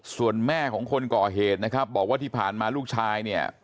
ส่วนแม่ของคนก่อเหตุนะครับบอกว่าที่ผ่านมาลูกชายเนี่ย